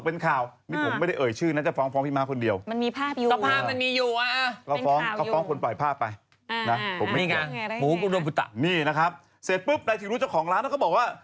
ผมไม่เกลียดอะไรอย่างนี้นะครับเสร็จปุ๊บในที่รู้เจ้าของร้านเขาบอกว่า